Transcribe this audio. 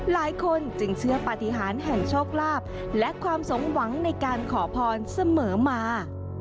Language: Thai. หลายคนจึงเชื่อปฏิหารแห่งโชคลาภและความสมหวังในการขอพรเสมอมา